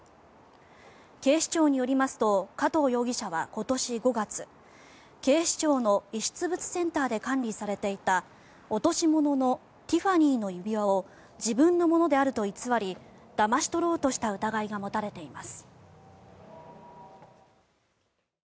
警視庁によりますと加藤容疑者は今年５月警視庁の遺失物センターで管理されていた落とし物のティファニーの指輪を自分のものであると偽りだまし取ろうとした疑いが持たれています。